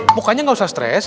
mukanya nggak usah stres